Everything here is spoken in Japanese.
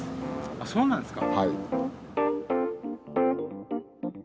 あそうなんですか。